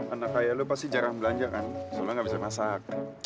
anak ayah lo pasti jarang belanja kan soalnya nggak bisa masak